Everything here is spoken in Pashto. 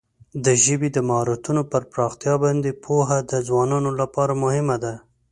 د ژبې د مهارتونو پر پراختیا باندې پوهه د ځوانانو لپاره مهمه ده.